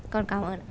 con cảm ơn